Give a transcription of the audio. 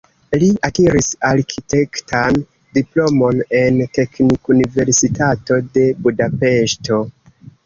Li akiris arkitektan diplomon en Teknikuniversitato de Budapeŝto.